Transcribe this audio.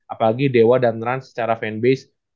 apalagi dewa dan run secara fanbase